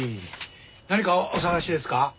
何かお探しですか？